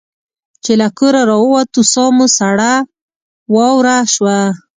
چې له کوره را ووتو ساه مو سړه واوره شوه.